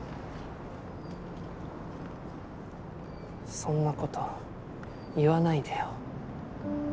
そんなこと言わないでよ。